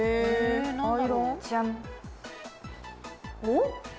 おっ？